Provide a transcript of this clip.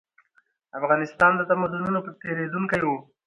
افغانستان د تمدنونو تېرېدونکی و.